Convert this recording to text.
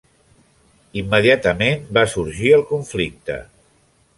Immediatament va sorgir el conflicte.